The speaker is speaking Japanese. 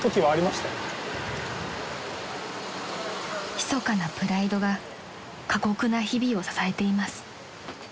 ［ひそかなプライドが過酷な日々を支えています］